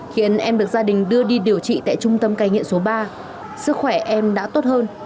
khiến em được gia đình đưa đi điều trị tại trung tâm cai nghiện số ba sức khỏe em đã tốt hơn